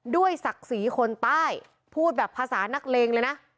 ศักดิ์ศรีคนใต้พูดแบบภาษานักเลงเลยนะ